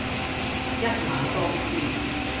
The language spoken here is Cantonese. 一馬當先